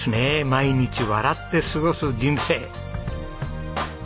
毎日笑って過ごす人生。